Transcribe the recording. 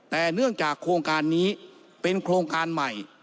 แต่เนื่องจากโครงการนี้เป็นโครงการใหม่